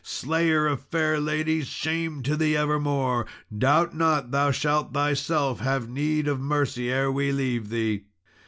Slayer of fair ladies, shame to thee evermore! Doubt not thou shalt thyself have need of mercy ere we leave thee."